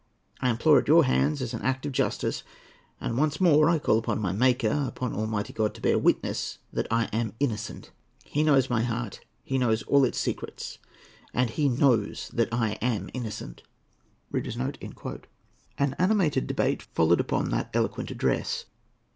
I implore it at your hands, as an act of justice, and once more I call upon my Maker, upon Almighty God, to bear witness that I am innocent. He knows my heart, He knows all its secrets, and He knows that I am innocent." An animated debate followed upon that eloquent address.